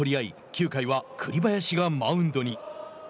９回は栗林がマウンドに。